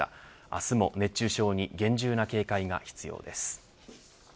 明日も熱中症に厳重な警戒が必要です。